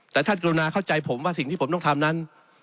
แต่ท่านกรุณาเข้าใจผมว่าสิ่งที่ผมต้องทำนั้น